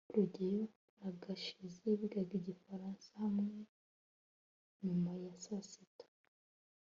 rugeyo na gashinzi bigaga igifaransa hamwe nyuma ya saa sita